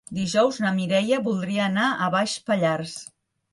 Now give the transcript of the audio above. Dijous na Mireia voldria anar a Baix Pallars.